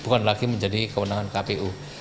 bukan lagi menjadi kewenangan kpu